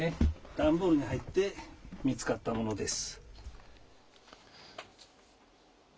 段ボールに入って見つかったものです。